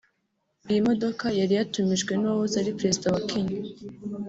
Iyi modoka yari yatumijwe n’uwahoze ari Perezida wa Kenya